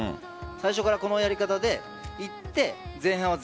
最初からこのやり方で行って前半は０‐０。